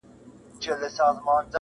په هغه شپه له پاچا سره واده سوه؛